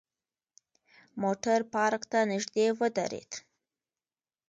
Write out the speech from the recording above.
موټر پارک ته نژدې ودرید.